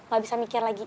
gak bisa mikir lagi